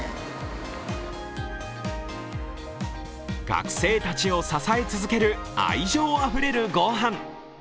学生たちを支え続ける愛情あふれるご飯。